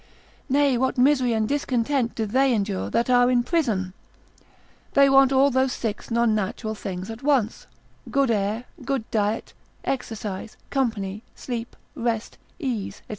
Nay, what misery and discontent do they endure, that are in prison? They want all those six non natural things at once, good air, good diet, exercise, company, sleep, rest, ease, &c.